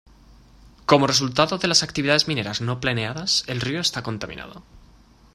Como resultado de las actividades mineras no planeadas, el río está contaminado.